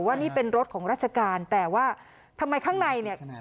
ว่านี่เป็นรถของราชการแต่ว่าทำไมข้างในเนี่ย